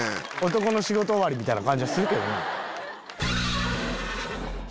男の仕事終わりみたいな感じがするけどな。